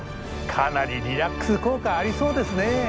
かなりリラックス効果ありそうですね。